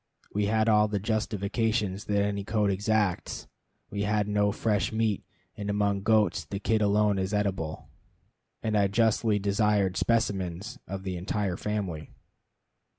We had all the justification that any code exacts. We had no fresh meat, and among goats the kid alone is eatable; and I justly desired specimens of the entire family.